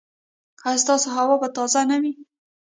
ایا ستاسو هوا به تازه نه وي؟